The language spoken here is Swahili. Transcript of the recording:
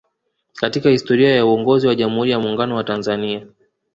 Katika historia ya uongozi wa Jamhuri ya Muungano wa Tanzania